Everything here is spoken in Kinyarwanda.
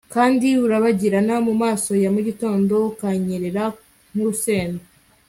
Kandi urabagirana mumaso ya mugitondo ukanyerera nkurusenda